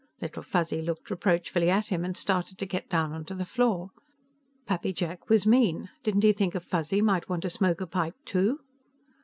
Little Fuzzy looked reproachfully at him and started to get down onto the floor. Pappy Jack was mean; didn't he think a Fuzzy might want to smoke a pipe, too?